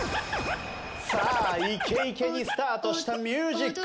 イケイケにスタートしたミュージック。